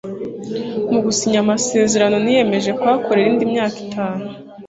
Mu gusinya amasezerano, niyemeje kuhakorera indi myaka itanu.